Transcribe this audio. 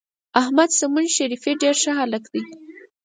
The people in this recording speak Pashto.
احمد سمون شریفي ډېر ښه هلک دی.